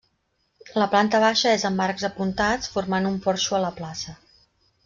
La planta baixa és amb arcs apuntats formant un porxo a la plaça.